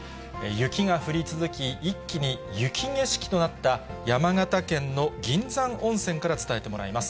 雪が降り続き、一気に雪景色となった山形県の銀山温泉から伝えてもらいます。